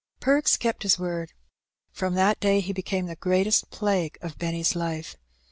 Perks kept his word; from that day he became the greatest plague of Benny's life.